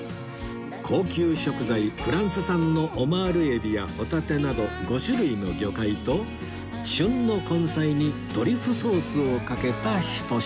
高級食材フランス産のオマールエビやホタテなど５種類の魚介と旬の根菜にトリュフソースをかけたひと品